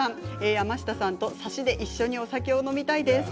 山下さんとさしで一緒にお酒を飲みたいです。